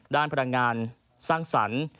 พลังงานสร้างสรรค์